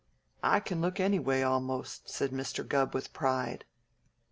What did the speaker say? "I can look anyway a'most," said Mr. Gubb with pride.